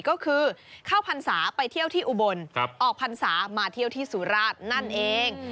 ก็คือเข้าพรรษาไปเที่ยวที่อุบลออกพรรษามาเที่ยวที่สุราชนั่นเอง